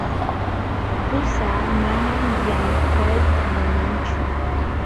Qusaa manam llamkayta munanchu.